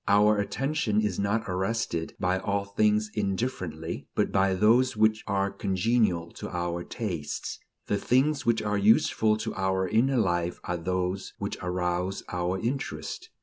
Our attention is not arrested by all things indifferently, but by those which are congenial to our tastes. The things which are useful to our inner life are those which arouse our interest.